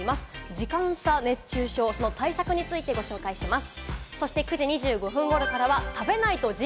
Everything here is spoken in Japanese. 時間差熱中症、その対策についてご紹介します。